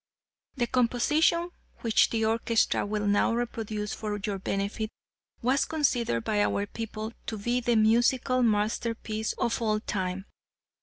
The composition which the orchestra will now reproduce for your benefit was considered by our people to be the musical masterpiece of all time.